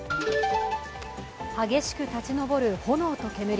激しく立ち上る炎と煙。